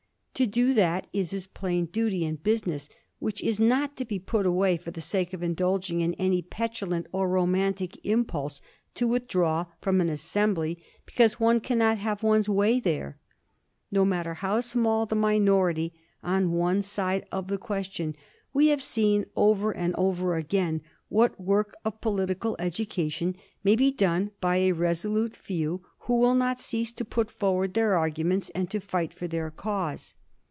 To do that is his plain duty and business, which is not to be put away for the sake of indulging in any petulant or romantic impulse to withdraw from an assembly because one cannot have one's way there. No matter how small the minority on one side of the ques tion, we have seen over and over again what work of political education may be done by a resolute few who will not cease to put forward their arguments and to fight for their cause.